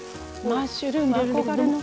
マッシュルーム憧れの。